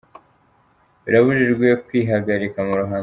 Birabujijwe kwihagarika mu ruhame.